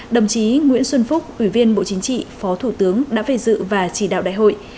đồng chí nguyễn xuân phúc ủy viên bộ chính trị phó thủ tướng đã về dự và chỉ đạo đại hội